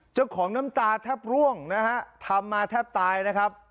น้ำตาแทบร่วงนะฮะทำมาแทบตายนะครับ